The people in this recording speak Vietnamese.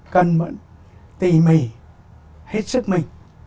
cân mẫn tỉ mỉ hết sức mình